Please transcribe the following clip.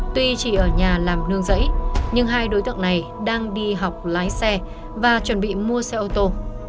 tuy chỉ ở nhà làm nương giấy nhưng hai đối tượng này đang đi học lái xe và chuẩn bị mua xe ô tô